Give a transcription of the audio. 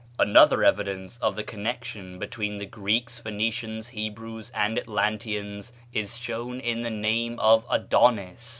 Another evidence of the connection between the Greeks, Phoenicians, Hebrews, and Atlanteans is shown in the name of Adonis.